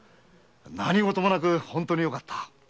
何ごともなく本当によかった。